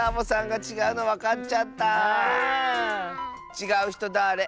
「ちがうひとはだれ？」